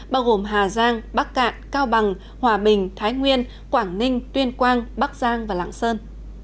bao gồm hà giang bắc cạn cao bằng hòa bình thái nguyên quảng ninh tuyên quang bắc giang và lạng sơn